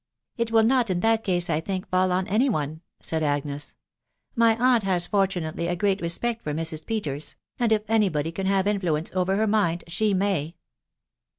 " It will not in that case, I think, fall on any one," said Agnes. " My aunt has fortunately a great respect for Mrs. Peters ; and if anybody can have influence over her mind, she may."